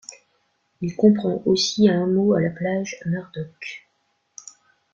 Il comprend aussi un hameau à la plage Murdoch.